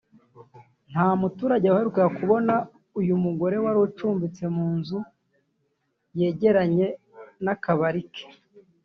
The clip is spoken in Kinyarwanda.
nta muturage waherukaga kubona uyu mugore wari ucumbitse mu nzu yegeranye n’akabari ke